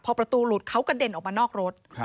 พอประตูหลุดเขากระเด็นออกมานอกรถ